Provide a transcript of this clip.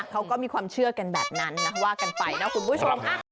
เขาก็มีความเชื่อกันแบบนั้นนะว่ากันไปนะคุณผู้ชม